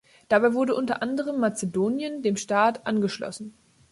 Dabei wurde unter anderem Mazedonien dem Staat angeschlossen.